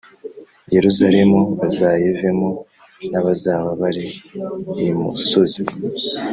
Yerusalemu bazayivemo n abazaba bari imusozi